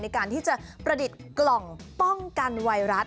ในการที่จะประดิษฐ์กล่องป้องกันไวรัส